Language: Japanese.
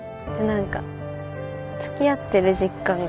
何かつきあってる実感が。